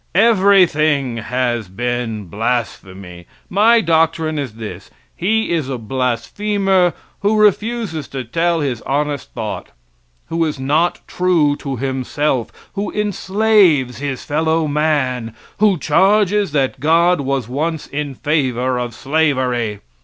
Everything has been blasphemy. My doctrine is this: He is a blasphemer who refuses to tell his honest thought; who is not true to himself; who enslaves his fellow man; who charges that God was once in favor of slavery.